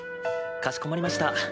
かしこまりました。